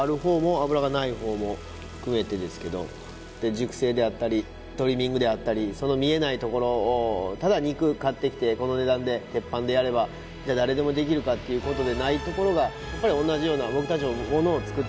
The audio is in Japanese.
熟成であったりトリミングであったりその見えないところをただ肉買ってきてこの値段で鉄板でやればじゃあ誰でもできるかっていうことでないところがやっぱり同じような僕たち